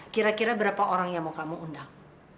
kira kira berapa orang yang mau kamu undang